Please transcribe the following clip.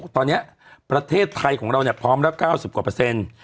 ตอนนี้ประเทศไทยของเราพร้อมแล้ว๙๐กว่าเปอร์เซ็นต์